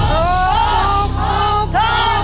ถูก